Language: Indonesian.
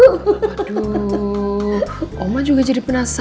aduh oma juga jadi penasaran gitu ya